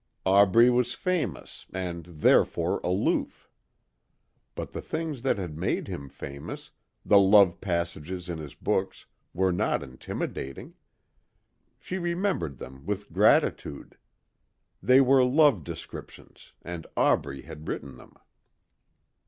Aubrey was famous and therefore aloof. But the things that had made him famous the love passages in his books, were not intimidating. She remembered them with gratitude. They were love descriptions and Aubrey had written them.